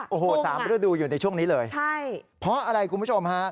โอ้โหสามฤดูอยู่ในช่วงนี้เลยใช่เพราะอะไรคุณผู้ชมฮะ